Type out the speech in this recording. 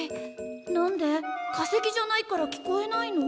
化石じゃないから聞こえないの？